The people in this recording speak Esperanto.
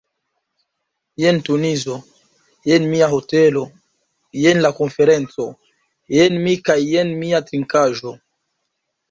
Jen Tunizo, jen mia hotelo, jen la konferenco, jen mi kaj jen mia trinkaĵo.